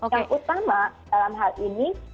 yang utama dalam hal ini